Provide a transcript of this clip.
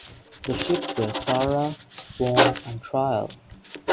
The ships were "Sara", "Swan", and "Trial".